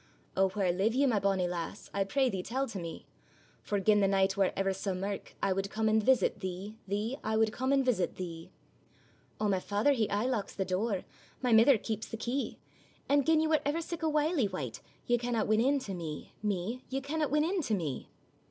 'O! where live ye my bonny lass, I pray thee tell to me; For gin the nicht were ever sae mirk, I wad come and visit thee, thee; I wad come and visit thee.' 'O! my father he aye locks the door, My mither keeps the key; And gin ye were ever sic a wily wicht, Ye canna win in to me, me; Ye canna win in to me.